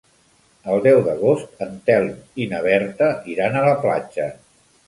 El deu d'agost en Telm i na Berta iran a la platja.